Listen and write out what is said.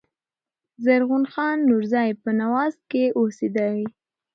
زرغون خان نورزي په "نوزاد" کښي اوسېدﺉ.